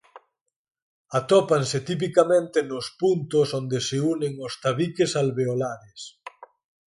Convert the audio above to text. Atópanse tipicamente nos puntos onde se unen os tabiques alveolares.